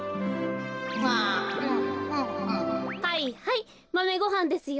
はいはいマメごはんですよ。